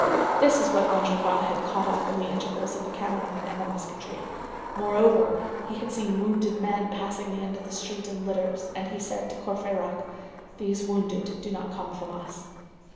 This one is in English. This was what Enjolras had caught in the intervals of the cannonade and the musketry. Moreover, he had seen wounded men passing the end of the street in litters, and he said to Courfeyrac:—"Those wounded do not come from us."